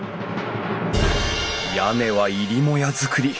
屋根は入り母屋造り。